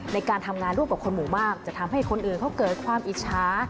ในการทำงานร่วมกับคนหมู่มากจะทำให้คนอื่นเขาเกิดความอิจฉา